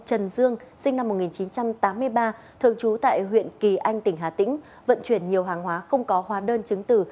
trần dương sinh năm một nghìn chín trăm tám mươi ba thường trú tại huyện kỳ anh tỉnh hà tĩnh vận chuyển nhiều hàng hóa không có hóa đơn chứng tử